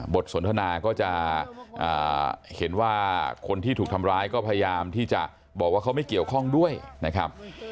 สนทนาก็จะเห็นว่าคนที่ถูกทำร้ายก็พยายามที่จะบอกว่าเขาไม่เกี่ยวข้องด้วยนะครับ